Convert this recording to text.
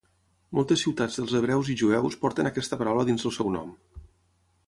Moltes ciutats dels hebreus i jueus porten aquesta paraula dins el seu nom.